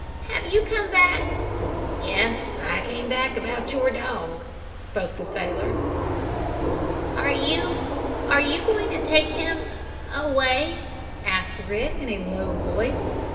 "Have you come back " "Yes, I came back about your dog," spoke the sailor. "Are you are you going to take him away?" asked Rick in a low voice.